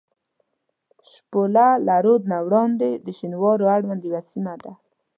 شپوله له رود نه وړاندې د شینوارو اړوند یوه سیمه ده.